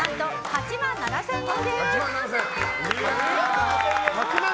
８万７０００円？